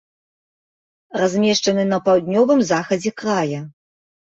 Размешчаны на паўднёвым захадзе края.